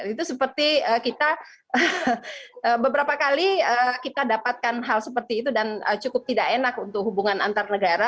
itu seperti kita beberapa kali kita dapatkan hal seperti itu dan cukup tidak enak untuk hubungan antar negara